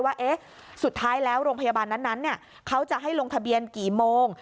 ว่าสุดท้ายแล้วโรงพยาบาลนั้นเขาจะให้ลงทะเบียนกี่โมง